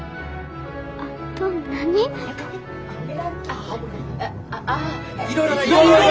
ああいろいろ！